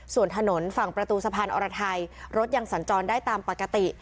ส่วนถนนฝั่งประตูสะพานอรไทยรถยังสัญจรได้ตามปกติ